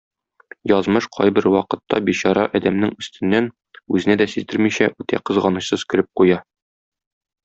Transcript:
Язмыш кайбер вакытта бичара адәмнең өстеннән, үзенә дә сиздермичә, үтә кызганычсыз көлеп куя.